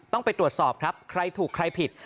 ต้องไปตรวจสอบครับใครถูกใครผิด